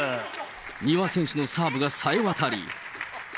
丹羽選手のサーブがさえわたり。